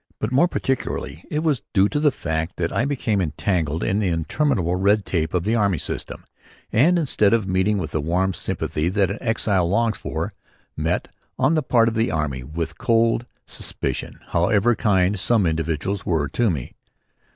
But more particularly it was due to the fact that I became entangled in the interminable red tape of the army system, and, instead of meeting with the warm sympathy that an exile longs for, met, on the part of the army, with cold suspicion; however kind some individuals were to me.